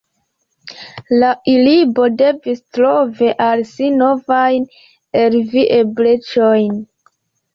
La urbo devis trovi al si novajn evolueblecojn.